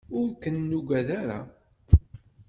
Ur ken-nuggad ara.